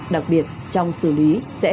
đặc biệt trong xử lý sẽ